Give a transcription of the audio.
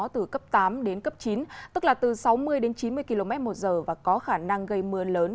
từ cấp tám đến cấp chín tức là từ sáu mươi đến chín mươi km một giờ và có khả năng gây mưa lớn